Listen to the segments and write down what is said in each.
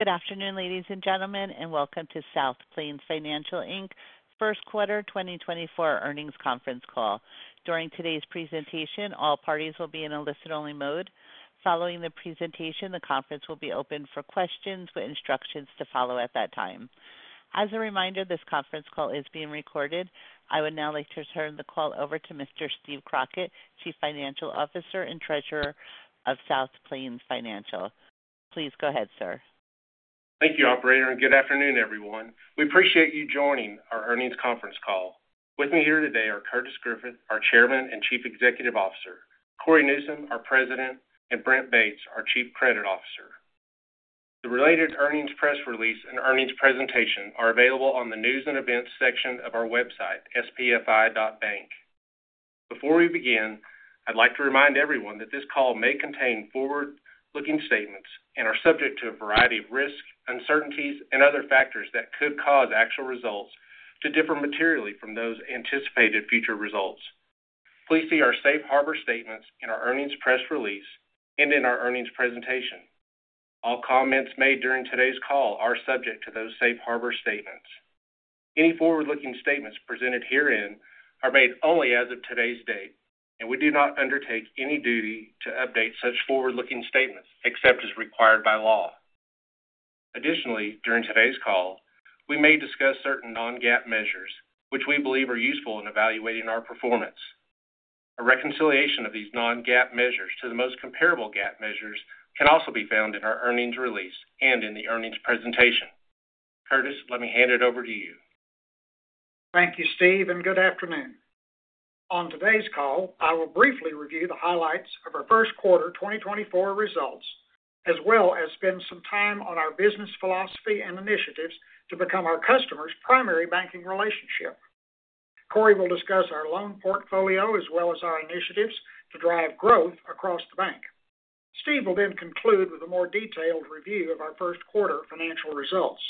Good afternoon, ladies and gentlemen, and welcome to South Plains Financial, Inc. first quarter 2024 earnings conference call. During today's presentation, all parties will be in a listen-only mode. Following the presentation, the conference will be open for questions with instructions to follow at that time. As a reminder, this conference call is being recorded. I would now like to turn the call over to Mr. Steve Crockett, Chief Financial Officer and Treasurer of South Plains Financial, Inc. Please go ahead, sir. Thank you, Operator, and good afternoon, everyone. We appreciate you joining our earnings conference call. With me here today are Curtis Griffith, our Chairman and Chief Executive Officer, Cory Newsom, our President, and Brent Bates, our Chief Credit Officer. The related earnings press release and earnings presentation are available on the news and events section of our website, spfi.bank. Before we begin, I'd like to remind everyone that this call may contain forward-looking statements and are subject to a variety of risk, uncertainties, and other factors that could cause actual results to differ materially from those anticipated future results. Please see our safe harbor statements in our earnings press release and in our earnings presentation. All comments made during today's call are subject to those safe harbor statements. Any forward-looking statements presented herein are made only as of today's date, and we do not undertake any duty to update such forward-looking statements except as required by law. Additionally, during today's call, we may discuss certain non-GAAP measures, which we believe are useful in evaluating our performance. A reconciliation of these non-GAAP measures to the most comparable GAAP measures can also be found in our earnings release and in the earnings presentation. Curtis, let me hand it over to you. Thank you, Steve, and good afternoon. On today's call, I will briefly review the highlights of our first quarter 2024 results, as well as spend some time on our business philosophy and initiatives to become our customer's primary banking relationship. Cory will discuss our loan portfolio as well as our initiatives to drive growth across the bank. Steve will then conclude with a more detailed review of our first quarter financial results.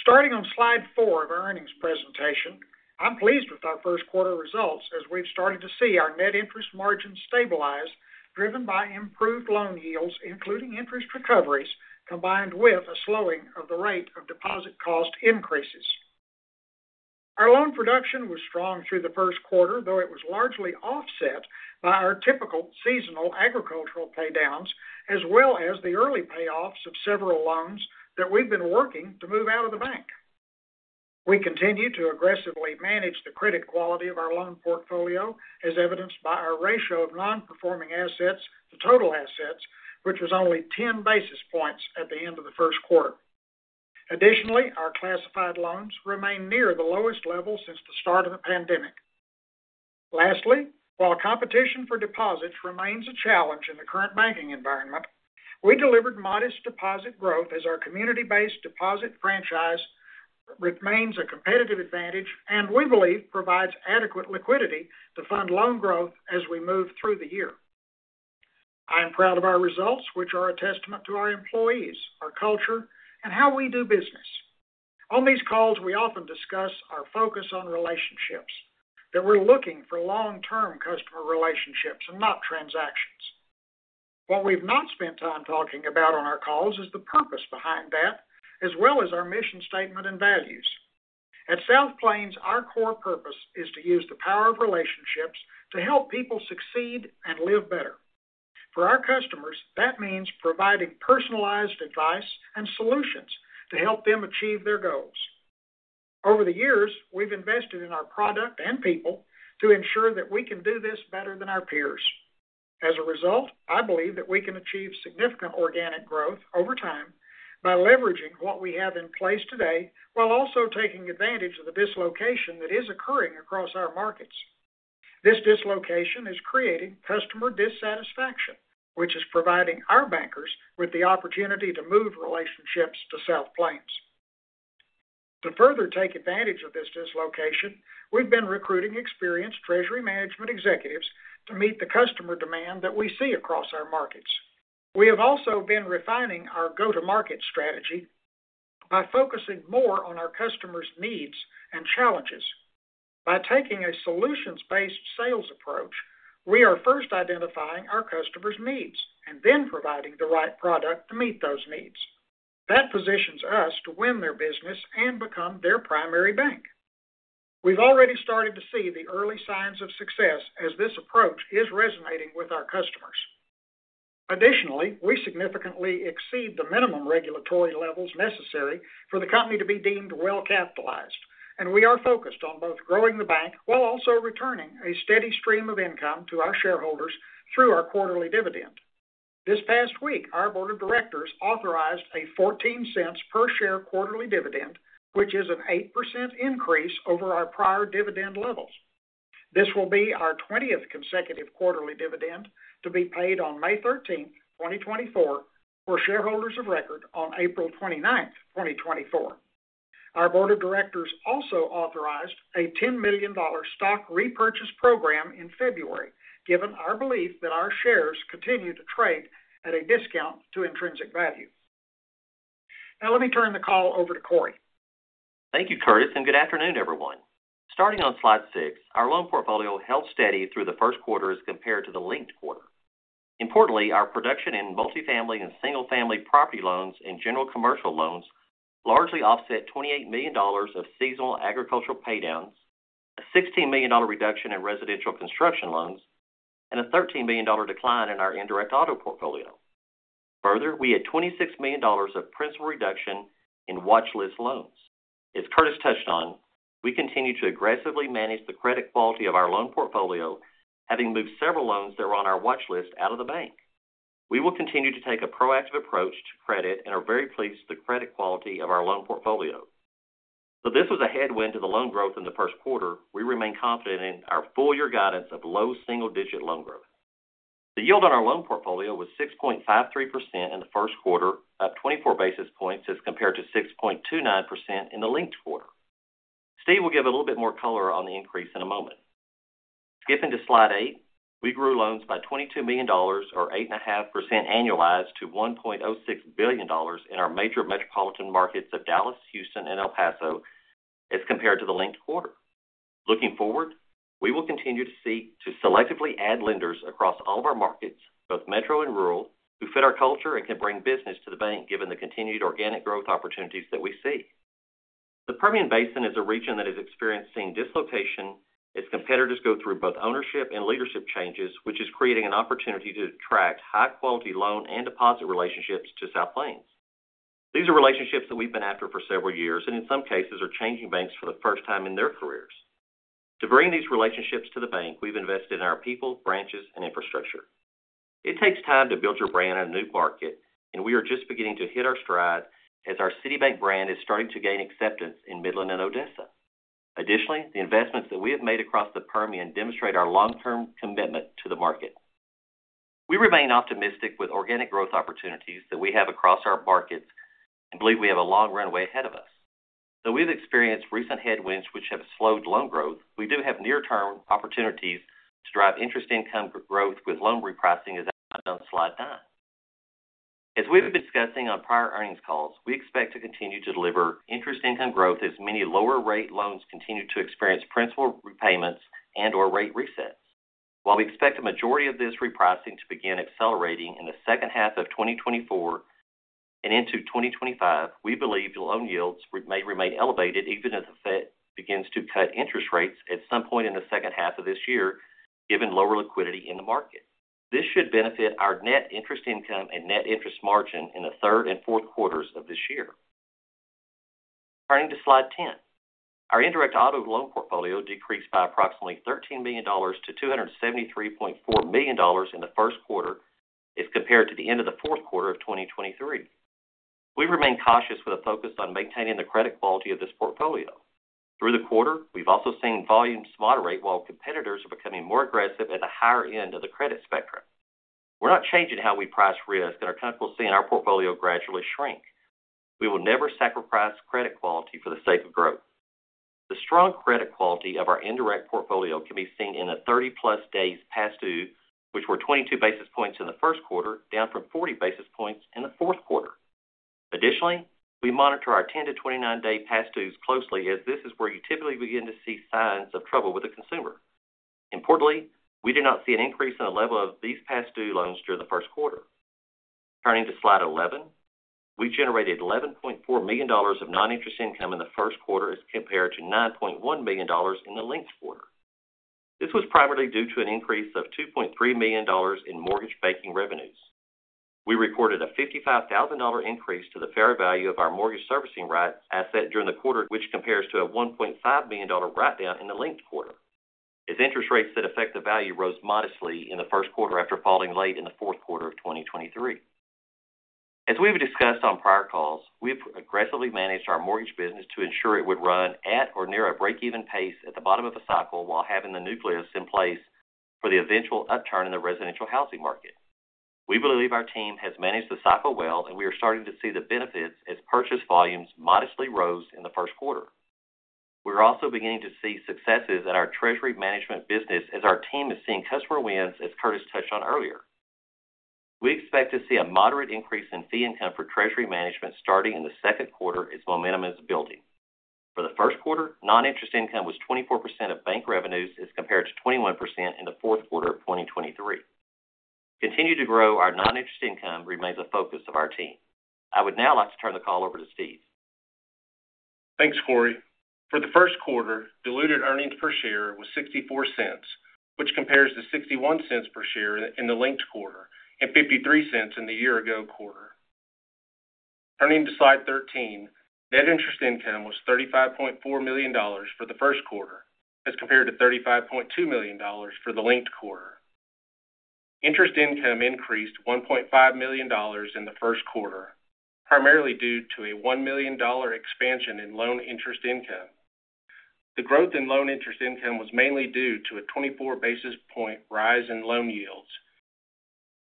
Starting on slide 4 of our earnings presentation, I'm pleased with our first quarter results as we've started to see our net interest margin stabilize driven by improved loan yields, including interest recoveries combined with a slowing of the rate of deposit cost increases. Our loan production was strong through the first quarter, though it was largely offset by our typical seasonal agricultural paydowns as well as the early payoffs of several loans that we've been working to move out of the bank. We continue to aggressively manage the credit quality of our loan portfolio, as evidenced by our ratio of non-performing assets to total assets, which was only 10 basis points at the end of the first quarter. Additionally, our classified loans remain near the lowest level since the start of the pandemic. Lastly, while competition for deposits remains a challenge in the current banking environment, we delivered modest deposit growth as our community-based deposit franchise remains a competitive advantage and we believe provides adequate liquidity to fund loan growth as we move through the year. I am proud of our results, which are a testament to our employees, our culture, and how we do business. On these calls, we often discuss our focus on relationships, that we're looking for long-term customer relationships and not transactions. What we've not spent time talking about on our calls is the purpose behind that, as well as our mission statement and values. At South Plains, our core purpose is to use the power of relationships to help people succeed and live better. For our customers, that means providing personalized advice and solutions to help them achieve their goals. Over the years, we've invested in our product and people to ensure that we can do this better than our peers. As a result, I believe that we can achieve significant organic growth over time by leveraging what we have in place today while also taking advantage of the dislocation that is occurring across our markets. This dislocation is creating customer dissatisfaction, which is providing our bankers with the opportunity to move relationships to South Plains. To further take advantage of this dislocation, we've been recruiting experienced treasury management executives to meet the customer demand that we see across our markets. We have also been refining our go-to-market strategy by focusing more on our customers' needs and challenges. By taking a solutions-based sales approach, we are first identifying our customers' needs and then providing the right product to meet those needs. That positions us to win their business and become their primary bank. We've already started to see the early signs of success as this approach is resonating with our customers. Additionally, we significantly exceed the minimum regulatory levels necessary for the company to be deemed well capitalized, and we are focused on both growing the bank while also returning a steady stream of income to our shareholders through our quarterly dividend. This past week, our board of directors authorized a $0.14 per share quarterly dividend, which is an 8% increase over our prior dividend levels. This will be our 20th consecutive quarterly dividend to be paid on May 13th, 2024, for shareholders of record on 29 April 2024. Our board of directors also authorized a $10 million stock repurchase program in February, given our belief that our shares continue to trade at a discount to intrinsic value. Now let me turn the call over to Cory. Thank you, Curtis, and good afternoon, everyone. Starting on slide 6, our loan portfolio held steady through the first quarter as compared to the linked quarter. Importantly, our production in multifamily and single-family property loans and general commercial loans largely offset $28 million of seasonal agricultural paydowns, a $16 million reduction in residential construction loans, and a $13 million decline in our indirect auto portfolio. Further, we had $26 million of principal reduction in watchlist loans. As Curtis touched on, we continue to aggressively manage the credit quality of our loan portfolio, having moved several loans that were on our watchlist out of the bank. We will continue to take a proactive approach to credit and are very pleased with the credit quality of our loan portfolio. Though this was a headwind to the loan growth in the first quarter, we remain confident in our full year guidance of low single-digit loan growth. The yield on our loan portfolio was 6.53% in the first quarter, up 24 basis points as compared to 6.29% in the linked quarter. Steve will give a little bit more color on the increase in a moment. Skipping to slide 8, we grew loans by $22 million, or 8.5% annualized, to $1.06 billion in our major metropolitan markets of Dallas, Houston, and El Paso as compared to the linked quarter. Looking forward, we will continue to seek to selectively add lenders across all of our markets, both metro and rural, who fit our culture and can bring business to the bank given the continued organic growth opportunities that we see. The Permian Basin is a region that is experiencing dislocation as competitors go through both ownership and leadership changes, which is creating an opportunity to attract high-quality loan and deposit relationships to South Plains. These are relationships that we've been after for several years and, in some cases, are changing banks for the first time in their careers. To bring these relationships to the bank, we've invested in our people, branches, and infrastructure. It takes time to build your brand in a new market, and we are just beginning to hit our stride as our City Bank brand is starting to gain acceptance in Midland and Odessa. Additionally, the investments that we have made across the Permian demonstrate our long-term commitment to the market. We remain optimistic with organic growth opportunities that we have across our markets and believe we have a long runway ahead of us. Though we've experienced recent headwinds which have slowed loan growth, we do have near-term opportunities to drive interest income growth with loan repricing as outlined on slide 9. As we've been discussing on prior earnings calls, we expect to continue to deliver interest income growth as many lower-rate loans continue to experience principal repayments and/or rate resets. While we expect a majority of this repricing to begin accelerating in the second half of 2024 and into 2025, we believe loan yields may remain elevated even if the Fed begins to cut interest rates at some point in the second half of this year, given lower liquidity in the market. This should benefit our net interest income and net interest margin in the third and fourth quarters of this year. Turning to slide 10, our indirect auto loan portfolio decreased by approximately $13 million to $273.4 million in the first quarter as compared to the end of the fourth quarter of 2023. We remain cautious with a focus on maintaining the credit quality of this portfolio. Through the quarter, we've also seen volumes moderate while competitors are becoming more aggressive at the higher end of the credit spectrum. We're not changing how we price risk, and we're seeing our portfolio gradually shrink. We will never sacrifice credit quality for the sake of growth. The strong credit quality of our indirect portfolio can be seen in the 30-plus days past due, which were 22 basis points in the first quarter, down from 40 basis points in the fourth quarter. Additionally, we monitor our 10- to 29-day past dues closely as this is where you typically begin to see signs of trouble with a consumer. Importantly, we do not see an increase in the level of these past due loans during the first quarter. Turning to slide 11, we generated $11.4 million of non-interest income in the first quarter as compared to $9.1 million in the linked quarter. This was primarily due to an increase of $2.3 million in mortgage banking revenues. We recorded a $55,000 increase to the fair value of our mortgage servicing rights asset during the quarter, which compares to a $1.5 million write-down in the linked quarter. As interest rates that affect the value rose modestly in the first quarter after falling late in the fourth quarter of 2023. As we've discussed on prior calls, we've aggressively managed our mortgage business to ensure it would run at or near a break-even pace at the bottom of a cycle while having the nucleus in place for the eventual upturn in the residential housing market. We believe our team has managed the cycle well, and we are starting to see the benefits as purchase volumes modestly rose in the first quarter. We are also beginning to see successes at our treasury management business as our team is seeing customer wins, as Curtis touched on earlier. We expect to see a moderate increase in fee income for treasury management starting in the second quarter as momentum is building. For the first quarter, non-interest income was 24% of bank revenues as compared to 21% in the fourth quarter of 2023. Continuing to grow our non-interest income remains a focus of our team. I would now like to turn the call over to Steve. Thanks, Cory. For the first quarter, diluted earnings per share was $0.64, which compares to $0.61 per share in the linked quarter and $0.53 in the year-ago quarter. Turning to slide 13, net interest income was $35.4 million for the first quarter as compared to $35.2 million for the linked quarter. Interest income increased $1.5 million in the first quarter, primarily due to a $1 million expansion in loan interest income. The growth in loan interest income was mainly due to a 24 basis point rise in loan yields,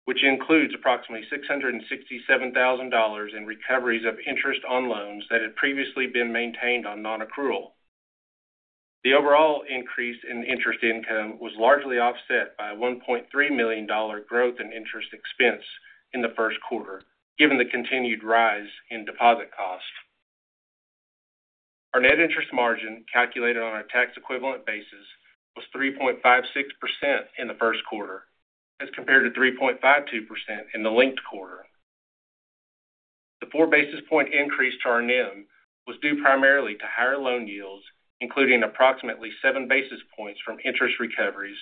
which includes approximately $667,000 in recoveries of interest on loans that had previously been maintained on non-accrual. The overall increase in interest income was largely offset by a $1.3 million growth in interest expense in the first quarter, given the continued rise in deposit costs. Our net interest margin, calculated on a tax equivalent basis, was 3.56% in the first quarter as compared to 3.52% in the linked quarter. The 4-basis point increase to our NIM was due primarily to higher loan yields, including approximately 7 basis points from interest recoveries,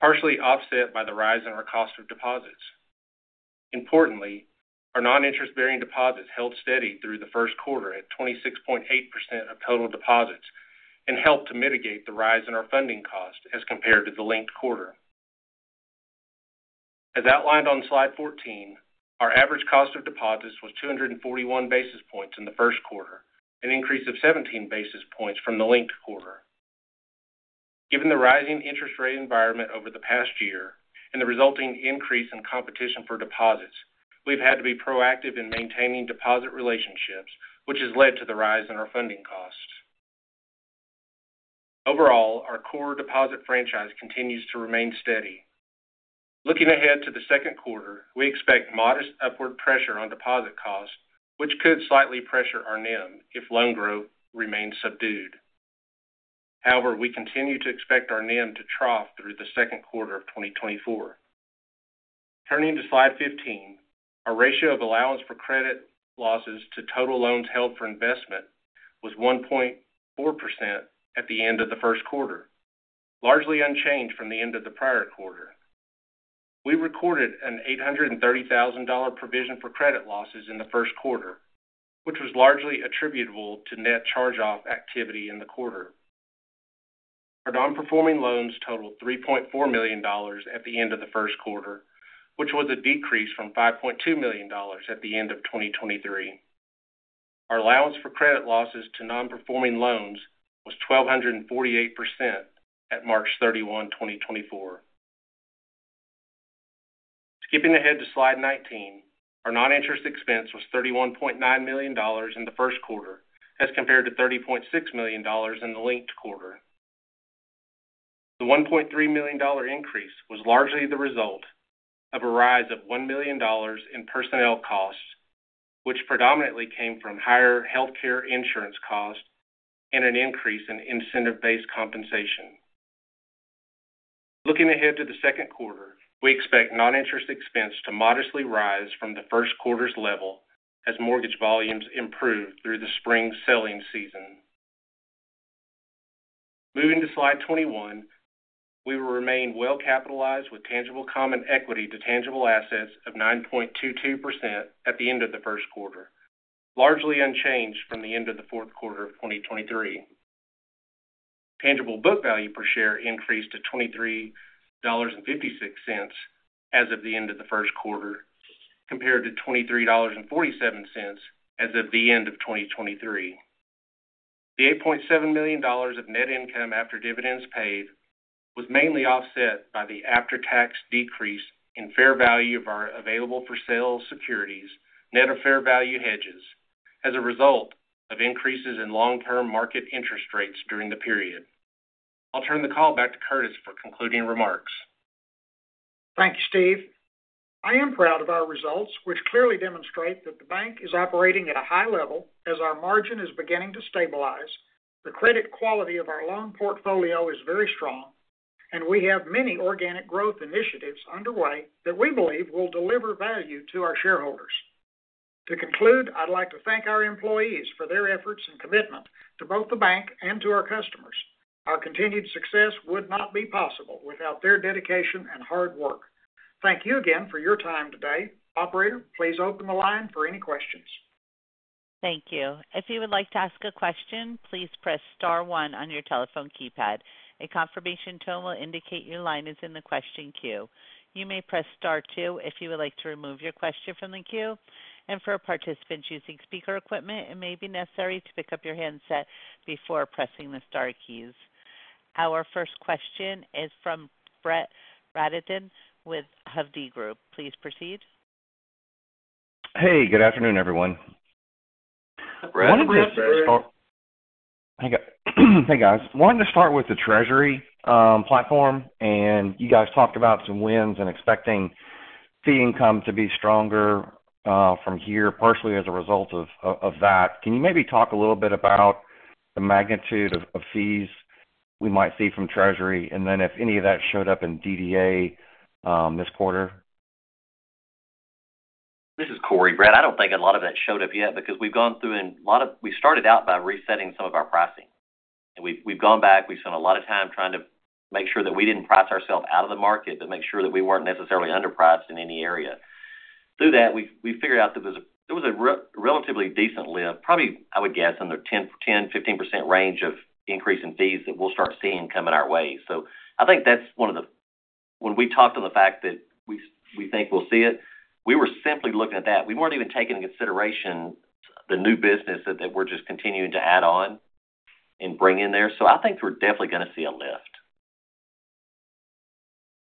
partially offset by the rise in our cost of deposits. Importantly, our non-interest bearing deposits held steady through the first quarter at 26.8% of total deposits and helped to mitigate the rise in our funding cost as compared to the linked quarter. As outlined on slide 14, our average cost of deposits was 241 basis points in the first quarter, an increase of 17 basis points from the linked quarter. Given the rising interest rate environment over the past year and the resulting increase in competition for deposits, we've had to be proactive in maintaining deposit relationships, which has led to the rise in our funding costs. Overall, our core deposit franchise continues to remain steady. Looking ahead to the second quarter, we expect modest upward pressure on deposit costs, which could slightly pressure our NIM if loan growth remains subdued. However, we continue to expect our NIM to trough through the second quarter of 2024. Turning to slide 15, our ratio of allowance for credit losses to total loans held for investment was 1.4% at the end of the first quarter, largely unchanged from the end of the prior quarter. We recorded an $830,000 provision for credit losses in the first quarter, which was largely attributable to net charge-off activity in the quarter. Our non-performing loans totaled $3.4 million at the end of the first quarter, which was a decrease from $5.2 million at the end of 2023. Our allowance for credit losses to non-performing loans was 1,248% at 31 March 2024. Skipping ahead to slide 19, our non-interest expense was $31.9 million in the first quarter as compared to $30.6 million in the linked quarter. The $1.3 million increase was largely the result of a rise of $1 million in personnel costs, which predominantly came from higher healthcare insurance costs and an increase in incentive-based compensation. Looking ahead to the second quarter, we expect non-interest expense to modestly rise from the first quarter's level as mortgage volumes improve through the spring selling season. Moving to slide 21, we remain well capitalized with tangible common equity to tangible assets of 9.22% at the end of the first quarter, largely unchanged from the end of the fourth quarter of 2023. Tangible book value per share increased to $23.56 as of the end of the first quarter, compared to $23.47 as of the end of 2023. The $8.7 million of net income after dividends paid was mainly offset by the after-tax decrease in fair value of our available-for-sale securities net of fair value hedges as a result of increases in long-term market interest rates during the period. I'll turn the call back to Curtis for concluding remarks. Thank you, Steve. I am proud of our results, which clearly demonstrate that the bank is operating at a high level as our margin is beginning to stabilize, the credit quality of our loan portfolio is very strong, and we have many organic growth initiatives underway that we believe will deliver value to our shareholders. To conclude, I'd like to thank our employees for their efforts and commitment to both the bank and to our customers. Our continued success would not be possible without their dedication and hard work. Thank you again for your time today. Operator, please open the line for any questions. Thank you. If you would like to ask a question, please press star one on your telephone keypad. A confirmation tone will indicate your line is in the question queue. You may press star two if you would like to remove your question from the queue. And for participants using speaker equipment, it may be necessary to pick up your handset before pressing the star keys. Our first question is from Brett Rabatin with Hovde Group. Please proceed. Hey. Good afternoon, everyone. Brett, Ben. Hey, guys. Wanting to start with the treasury platform, and you guys talked about some wins and expecting fee income to be stronger from here, personally as a result of that. Can you maybe talk a little bit about the magnitude of fees we might see from treasury, and then if any of that showed up in DDA this quarter? This is Cory. Brett, I don't think a lot of that showed up yet because we've gone through a lot. We started out by resetting some of our pricing. And we've gone back. We've spent a lot of time trying to make sure that we didn't price ourselves out of the market, but make sure that we weren't necessarily underpriced in any area. Through that, we figured out that there was a relatively decent lift, probably, I would guess, in the 10%-15% range of increase in fees that we'll start seeing coming our way. So I think that's one of the when we talked on the fact that we think we'll see it, we were simply looking at that. We weren't even taking into consideration the new business that we're just continuing to add on and bring in there. So I think we're definitely going to see a lift.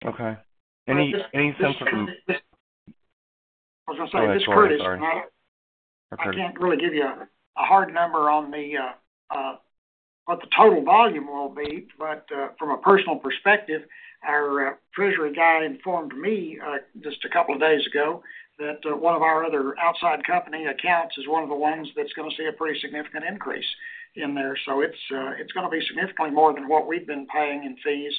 Okay. Any sense of? I was going to say, this Curtis, I can't really give you a hard number on what the total volume will be. But from a personal perspective, our treasury guy informed me just a couple of days ago that one of our other outside company accounts is one of the ones that's going to see a pretty significant increase in there. So it's going to be significantly more than what we've been paying in fees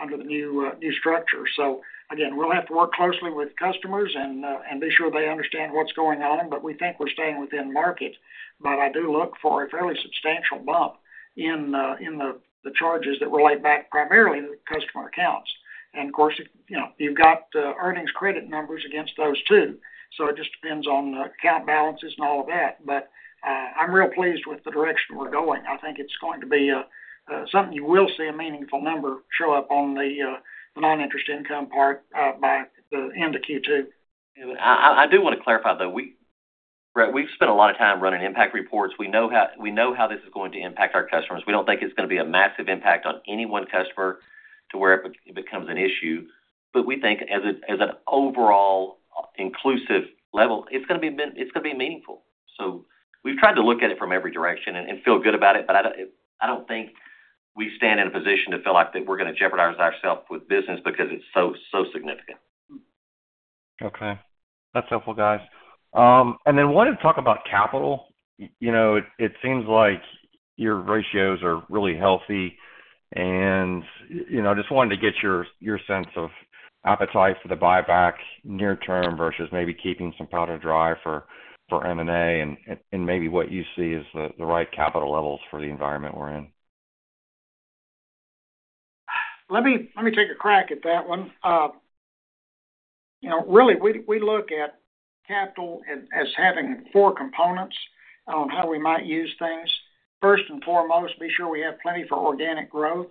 under the new structure. So again, we'll have to work closely with customers and be sure they understand what's going on. But we think we're staying within market. But I do look for a fairly substantial bump in the charges that relate back primarily to the customer accounts. And of course, you've got earnings credit numbers against those too. So it just depends on account balances and all of that. But I'm real pleased with the direction we're going. I think it's going to be something you will see a meaningful number show up on the non-interest income part by the end of Q2. I do want to clarify, though. Brett, we've spent a lot of time running impact reports. We know how this is going to impact our customers. We don't think it's going to be a massive impact on any one customer to where it becomes an issue. But we think as an overall inclusive level, it's going to be meaningful. So we've tried to look at it from every direction and feel good about it. But I don't think we stand in a position to feel like that we're going to jeopardize ourselves with business because it's so significant. Okay. That's helpful, guys. And then wanting to talk about capital, it seems like your ratios are really healthy. And I just wanted to get your sense of appetite for the buyback near-term versus maybe keeping some powder dry for M&A and maybe what you see as the right capital levels for the environment we're in. Let me take a crack at that one. Really, we look at capital as having four components on how we might use things. First and foremost, be sure we have plenty for organic growth.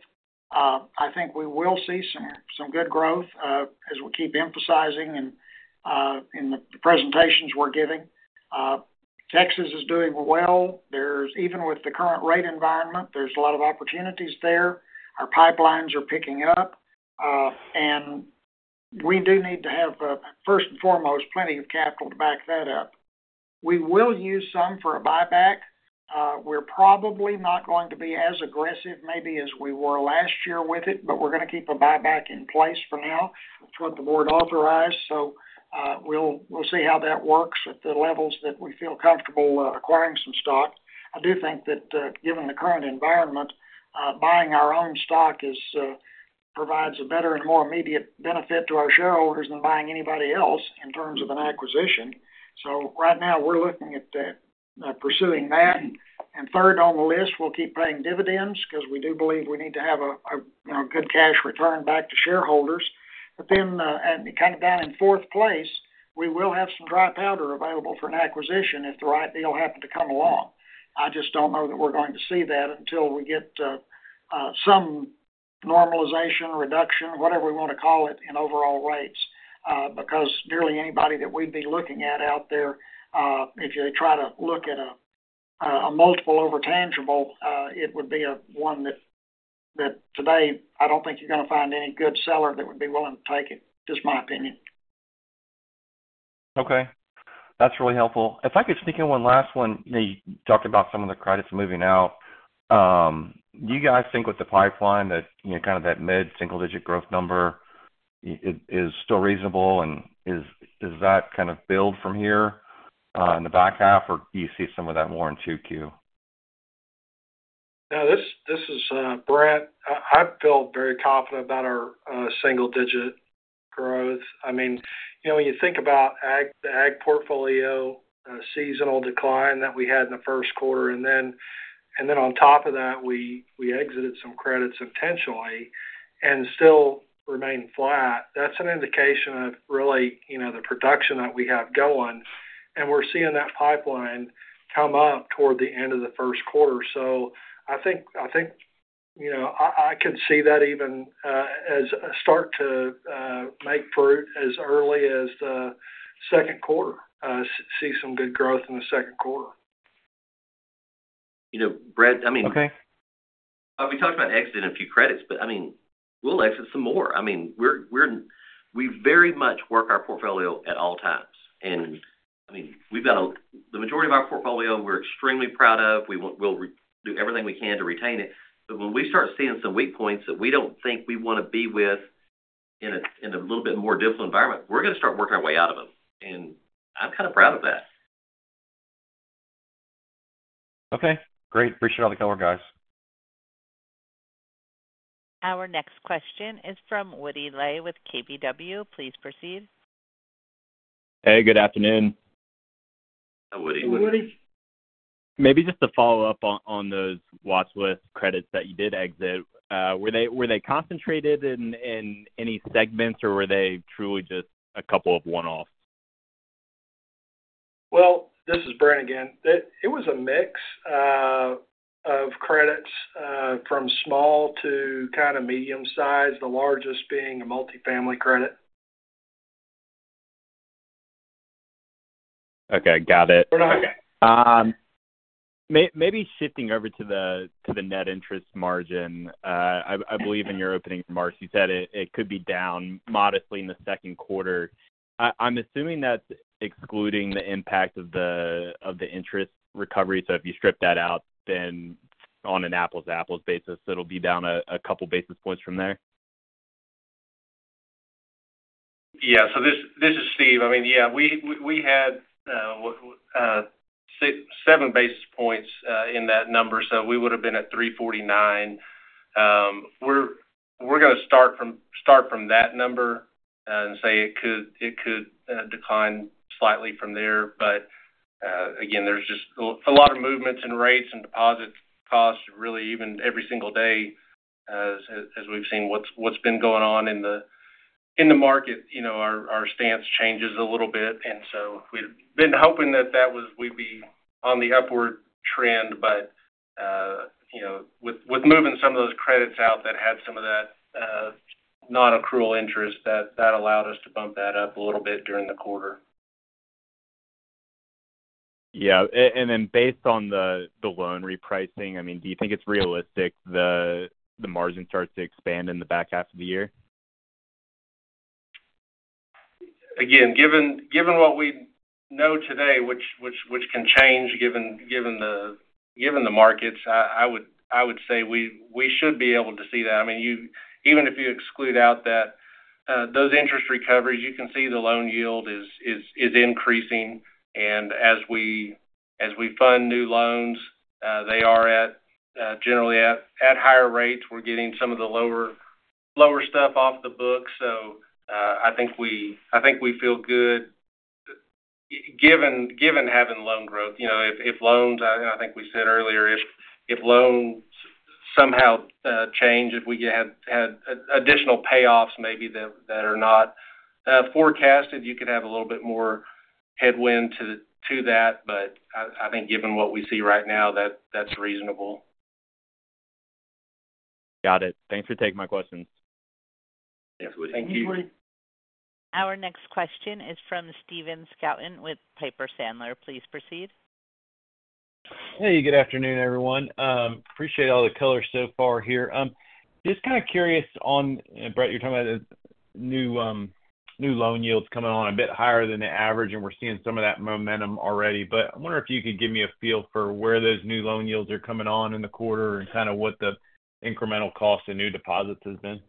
I think we will see some good growth as we keep emphasizing in the presentations we're giving. Texas is doing well. Even with the current rate environment, there's a lot of opportunities there. Our pipelines are picking up. And we do need to have, first and foremost, plenty of capital to back that up. We will use some for a buyback. We're probably not going to be as aggressive maybe as we were last year with it, but we're going to keep a buyback in place for now. That's what the board authorized. So we'll see how that works at the levels that we feel comfortable acquiring some stock. I do think that given the current environment, buying our own stock provides a better and more immediate benefit to our shareholders than buying anybody else in terms of an acquisition. So right now, we're looking at pursuing that. And third on the list, we'll keep paying dividends because we do believe we need to have a good cash return back to shareholders. But then kind of down in fourth place, we will have some dry powder available for an acquisition if the right deal happened to come along. I just don't know that we're going to see that until we get some normalization, reduction, whatever we want to call it in overall rates. Because nearly anybody that we'd be looking at out there, if they try to look at a multiple over tangible, it would be one that today, I don't think you're going to find any good seller that would be willing to take it, just my opinion. Okay. That's really helpful. If I could sneak in one last one. You talked about some of the credits moving out. Do you guys think with the pipeline, that kind of that mid-single-digit growth number is still reasonable? And does that kind of build from here in the back half, or do you see some of that more in Q2? No, this is Brent. I feel very confident about our single-digit growth. I mean, when you think about the ag portfolio seasonal decline that we had in the first quarter, and then on top of that, we exited some credits intentionally and still remain flat, that's an indication of really the production that we have going. And we're seeing that pipeline come up toward the end of the first quarter. So I think I could see that even start to make fruit as early as the second quarter, see some good growth in the second quarter. Brett, I mean, we talked about exiting a few credits, but I mean, we'll exit some more. I mean, we very much work our portfolio at all times. And I mean, we've got the majority of our portfolio we're extremely proud of. We'll do everything we can to retain it. But when we start seeing some weak points that we don't think we want to be with in a little bit more difficult environment, we're going to start working our way out of them. And I'm kind of proud of that. Okay. Great. Appreciate all the coverage, guys. Our next question is from Woody Lay with KBW. Please proceed. Hey. Good afternoon. Hi, Woody. Hey, Woody. Maybe just to follow up on those watch list credits that you did exit, were they concentrated in any segments, or were they truly just a couple of one-offs? Well, this is Brent again. It was a mix of credits from small to kind of medium-sized, the largest being a multifamily credit. Okay. Got it. We're not. Maybe shifting over to the net interest margin. I believe in your opening, Mark, you said it could be down modestly in the second quarter. I'm assuming that's excluding the impact of the interest recovery. So if you strip that out, then on an apples-to-apples basis, it'll be down a couple of basis points from there? Yeah. So this is Steve. I mean, yeah, we had seven basis points in that number, so we would have been at 349. We're going to start from that number and say it could decline slightly from there. But again, there's just a lot of movements in rates and deposit costs really even every single day as we've seen what's been going on in the market. Our stance changes a little bit. And so we've been hoping that we'd be on the upward trend. But with moving some of those credits out that had some of that non-accrual interest, that allowed us to bump that up a little bit during the quarter. Yeah. And then based on the loan repricing, I mean, do you think it's realistic the margin starts to expand in the back half of the year? Again, given what we know today, which can change given the markets, I would say we should be able to see that. I mean, even if you exclude out those interest recoveries, you can see the loan yield is increasing. And as we fund new loans, they are generally at higher rates. We're getting some of the lower stuff off the books. So I think we feel good given having loan growth. If loans, and I think we said earlier, if loans somehow change, if we had additional payoffs maybe that are not forecasted, you could have a little bit more headwind to that. But I think given what we see right now, that's reasonable. Got it. Thanks for taking my questions. Thanks, Woody. Thank you, Woody. Our next question is from Stephen Scouten with Piper Sandler. Please proceed. Hey. Good afternoon, everyone. Appreciate all the color so far here. Just kind of curious on Brett, you're talking about new loan yields coming on a bit higher than the average, and we're seeing some of that momentum already. But I wonder if you could give me a feel for where those new loan yields are coming on in the quarter and kind of what the incremental cost of new deposits has been.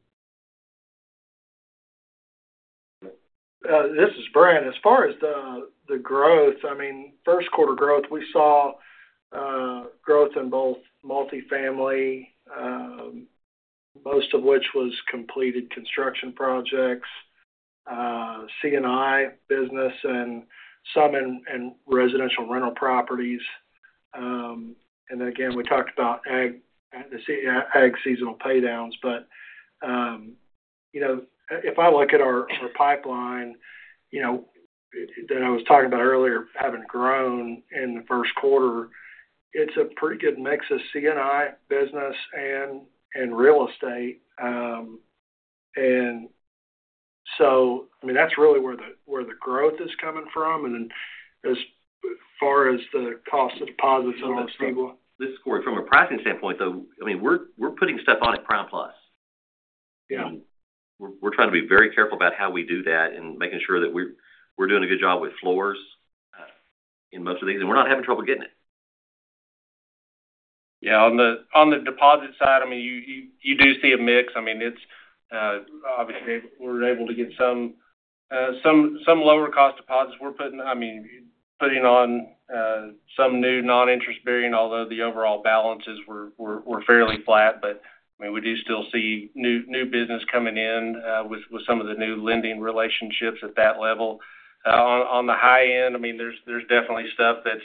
This is Brent. As far as the growth, I mean, first-quarter growth, we saw growth in both multifamily, most of which was completed construction projects, C&I business, and some in residential rental properties. And then again, we talked about ag seasonal paydowns. But if I look at our pipeline that I was talking about earlier having grown in the first quarter, it's a pretty good mix of C&I business and real estate. And so I mean, that's really where the growth is coming from. And then as far as the cost of deposits on the stable. This is Cory. From a pricing standpoint, though, I mean, we're putting stuff on at Prime Plus. We're trying to be very careful about how we do that and making sure that we're doing a good job with floors in most of these, and we're not having trouble getting it. Yeah. On the deposit side, I mean, you do see a mix. I mean, obviously, we're able to get some lower-cost deposits. I mean, putting on some new non-interest bearing, although the overall balances were fairly flat. But I mean, we do still see new business coming in with some of the new lending relationships at that level. On the high end, I mean, there's definitely stuff that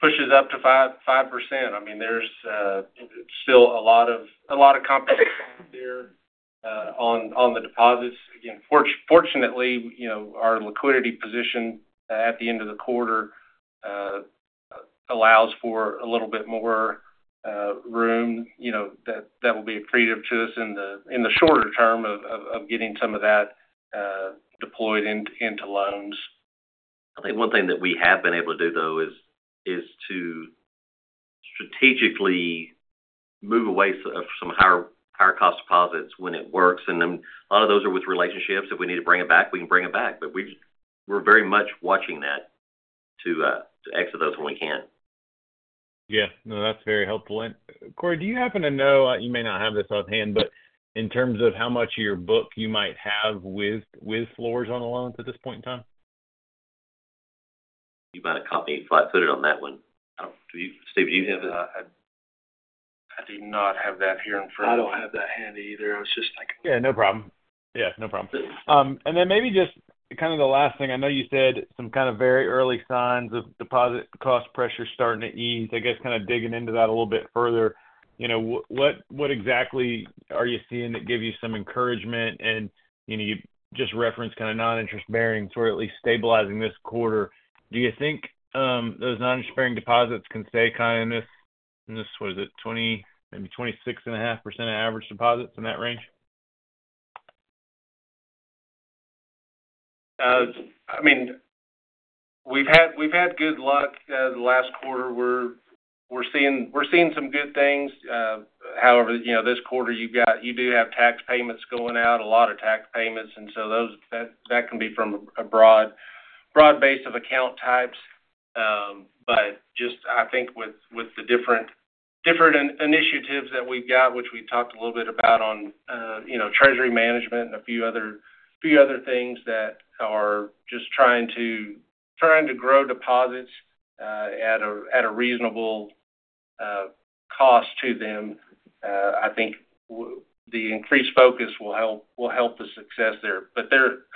pushes up to 5%. I mean, there's still a lot of competition there on the deposits. Again, fortunately, our liquidity position at the end of the quarter allows for a little bit more room. That will be accretive to us in the shorter term of getting some of that deployed into loans. I think one thing that we have been able to do, though, is to strategically move away from some higher-cost deposits when it works. A lot of those are with relationships. If we need to bring it back, we can bring it back. We're very much watching that to exit those when we can. Yeah. No, that's very helpful. And Cory, do you happen to know you may not have this offhand, but in terms of how much of your book you might have with floors on a loan at this point in time? You might have caught me flat-footed on that one. Steve, do you have it? I do not have that here in front of me. I don't have that handy either. I was just like. Yeah. No problem. Yeah. No problem. And then maybe just kind of the last thing. I know you said some kind of very early signs of deposit cost pressure starting to ease. I guess kind of digging into that a little bit further, what exactly are you seeing that give you some encouragement? And you just referenced kind of non-interest bearing sort of at least stabilizing this quarter. Do you think those non-interest bearing deposits can stay kind of in this what is it? Maybe 26.5% average deposits in that range? I mean, we've had good luck the last quarter. We're seeing some good things. However, this quarter, you do have tax payments going out, a lot of tax payments. And so that can be from a broad base of account types. But just I think with the different initiatives that we've got, which we talked a little bit about on treasury management and a few other things that are just trying to grow deposits at a reasonable cost to them, I think the increased focus will help the success there. But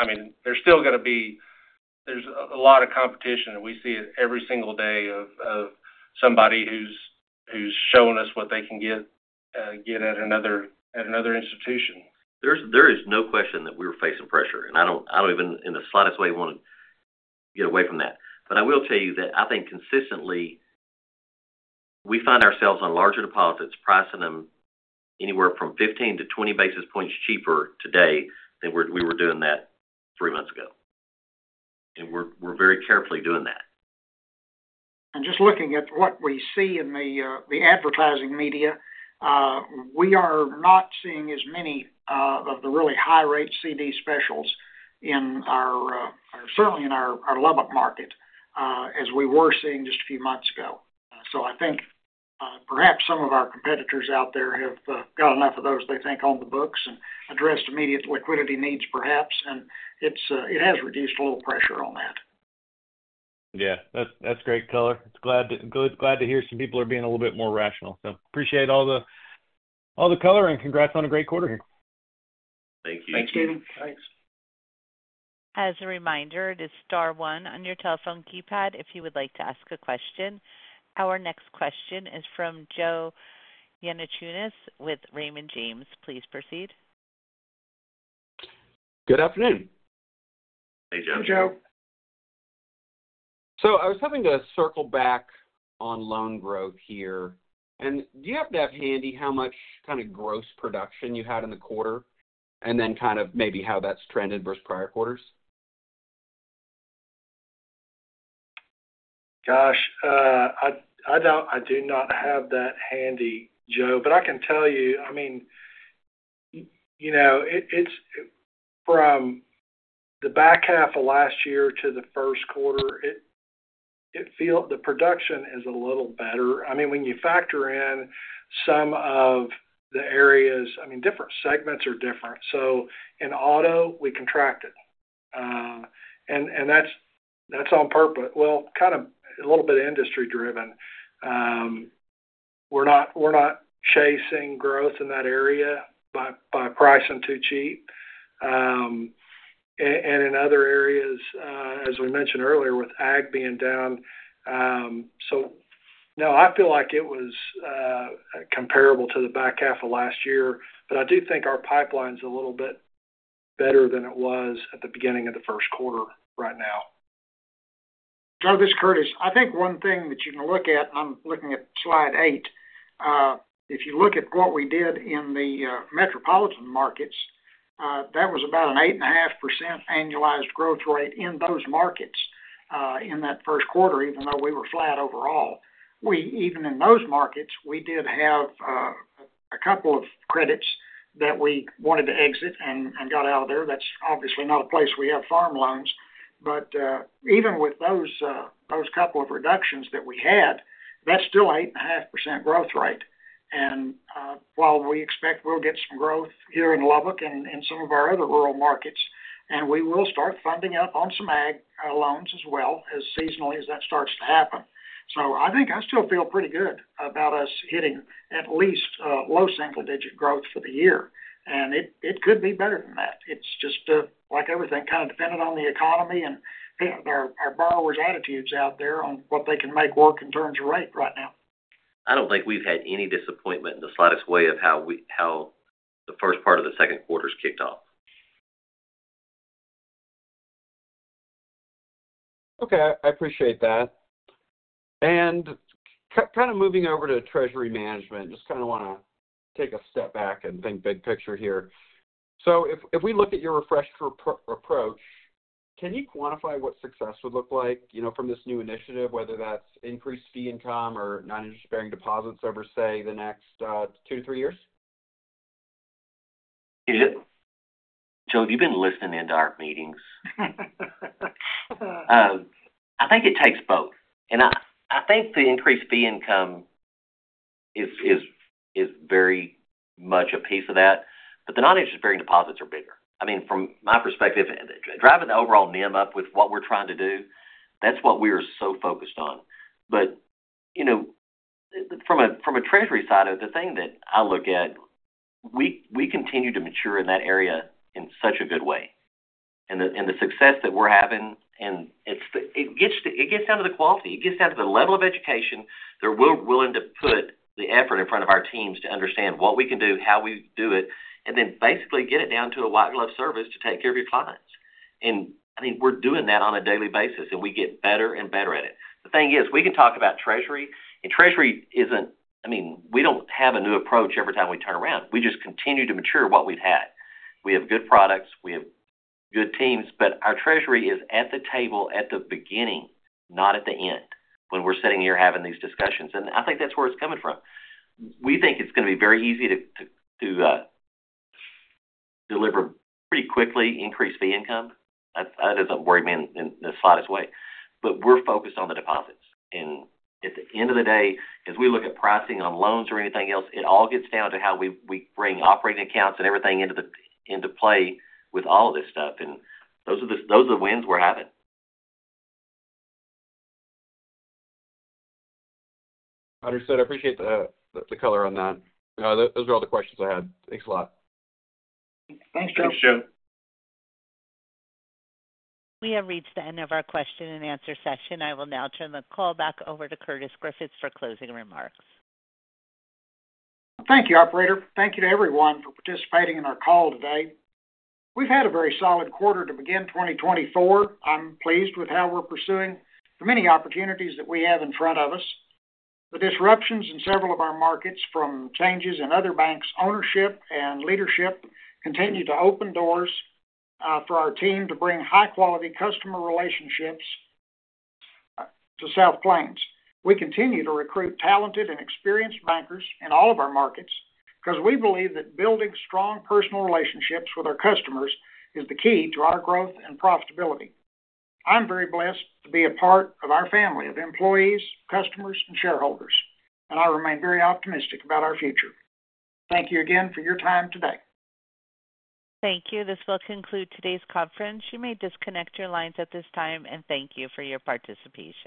I mean, there's still going to be a lot of competition, and we see it every single day of somebody who's showing us what they can get at another institution. There is no question that we're facing pressure. I don't even in the slightest way want to get away from that. But I will tell you that I think consistently, we find ourselves on larger deposits pricing them anywhere from 15-20 basis points cheaper today than we were doing that three months ago. And we're very carefully doing that. Just looking at what we see in the advertising media, we are not seeing as many of the really high-rate CD specials certainly in our Lubbock market as we were seeing just a few months ago. So I think perhaps some of our competitors out there have got enough of those, they think, on the books and addressed immediate liquidity needs, perhaps. And it has reduced a little pressure on that. Yeah. That's great color. I'm glad to hear some people are being a little bit more rational. So, I appreciate all the color, and congrats on a great quarter here. Thank you. Thanks, Steve. Thanks. As a reminder, it is star one on your telephone keypad if you would like to ask a question. Our next question is from Joe Yanchunis with Raymond James. Please proceed. Good afternoon. Hey, Joe. Hey, Joe. I was having to circle back on loan growth here. Do you happen to have handy how much kind of gross production you had in the quarter and then kind of maybe how that's trended versus prior quarters? Gosh, I do not have that handy, Joe. But I can tell you, I mean, from the back half of last year to the first quarter, the production is a little better. I mean, when you factor in some of the areas I mean, different segments are different. So in auto, we contracted. And that's on purpose. Well, kind of a little bit industry-driven. We're not chasing growth in that area by pricing too cheap. And in other areas, as we mentioned earlier with ag being down so no, I feel like it was comparable to the back half of last year. But I do think our pipeline's a little bit better than it was at the beginning of the first quarter right now. Great, Curtis, I think one thing that you can look at and I'm looking at slide 8. If you look at what we did in the metropolitan markets, that was about an 8.5% annualized growth rate in those markets in that first quarter, even though we were flat overall. Even in those markets, we did have a couple of credits that we wanted to exit and got out of there. That's obviously not a place we have farm loans. But even with those couple of reductions that we had, that's still 8.5% growth rate. And while we expect we'll get some growth here in Lubbock and in some of our other rural markets, and we will start funding up on some ag loans as well as seasonally as that starts to happen. I think I still feel pretty good about us hitting at least low single-digit growth for the year. It could be better than that. It's just like everything, kind of dependent on the economy and our borrowers' attitudes out there on what they can make work in terms of rate right now. I don't think we've had any disappointment in the slightest way of how the first part of the second quarter's kicked off. Okay. I appreciate that. Kind of moving over to treasury management, just kind of want to take a step back and think big picture here. If we look at your refreshed approach, can you quantify what success would look like from this new initiative, whether that's increased fee income or non-interest bearing deposits over, say, the next 2-3 years? Joe, you've been listening into our meetings. I think it takes both. And I think the increased fee income is very much a piece of that. But the non-interest-bearing deposits are bigger. I mean, from my perspective, driving the overall NIM up with what we're trying to do, that's what we are so focused on. But from a treasury side of it, the thing that I look at, we continue to mature in that area in such a good way. And the success that we're having and it gets down to the quality. It gets down to the level of education. They're willing to put the effort in front of our teams to understand what we can do, how we do it, and then basically get it down to a white-glove service to take care of your clients. I mean, we're doing that on a daily basis, and we get better and better at it. The thing is, we can talk about treasury, and treasury isn't, I mean, we don't have a new approach every time we turn around. We just continue to mature what we've had. We have good products. We have good teams. But our treasury is at the table at the beginning, not at the end when we're sitting here having these discussions. And I think that's where it's coming from. We think it's going to be very easy to deliver pretty quickly increased fee income. That doesn't worry me in the slightest way. But we're focused on the deposits. At the end of the day, as we look at pricing on loans or anything else, it all gets down to how we bring operating accounts and everything into play with all of this stuff. Those are the wins we're having. Understood. I appreciate the color on that. Those are all the questions I had. Thanks a lot. Thanks, Joe. Thanks, Joe. We have reached the end of our question-and-answer session. I will now turn the call back over to Curtis Griffith for closing remarks. Thank you, operator. Thank you to everyone for participating in our call today. We've had a very solid quarter to begin 2024. I'm pleased with how we're pursuing the many opportunities that we have in front of us. The disruptions in several of our markets from changes in other banks' ownership and leadership continue to open doors for our team to bring high-quality customer relationships to South Plains. We continue to recruit talented and experienced bankers in all of our markets because we believe that building strong personal relationships with our customers is the key to our growth and profitability. I'm very blessed to be a part of our family of employees, customers, and shareholders. I remain very optimistic about our future. Thank you again for your time today. Thank you. This will conclude today's conference. You may disconnect your lines at this time. Thank you for your participation.